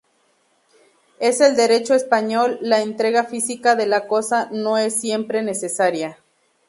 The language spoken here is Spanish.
En el Derecho español la entrega física de la cosa no es siempre necesaria.